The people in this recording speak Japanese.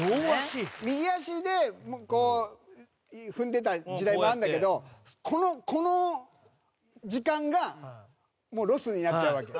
右足で踏んでた時代もあるんだけどこの時間がロスになっちゃうわけ。